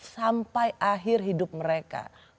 sampai akhir hidup mereka